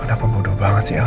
lo kenapa bodoh banget sih al